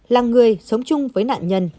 là người sống chung với nạn nhân